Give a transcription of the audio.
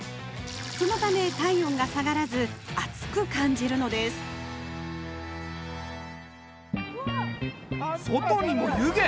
そのため体温が下がらず暑く感じるのです外にも湯気！